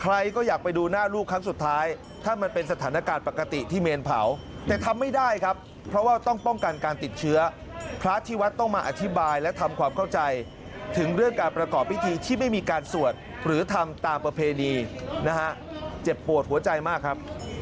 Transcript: ใครก็อยากไปดูหน้าลูกครั้งสุดท้ายถ้ามันเป็นสถานการณ์ปกติที่เมนเผาแต่ทำไม่ได้ครับเพราะว่าต้องป้องกันการติดเชื้อพระที่วัดต้องมาอธิบายและทำความเข้าใจถึงเรื่องการประกอบพิธีที่ไม่มีการสวดหรือทำตามประเพณีนะฮะเจ็บปวดหัวใจมากครับ